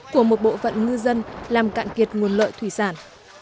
của một bộ phận ngư dân làm cạn kiệt nguồn lợi thủy sản